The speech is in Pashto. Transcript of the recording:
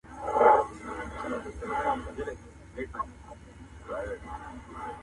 کښتۍ هم ورڅخه ولاړه پر خپل لوري!